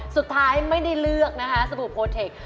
สุดท้ายไม่ได้เลือกนะคะสบู่โพเทค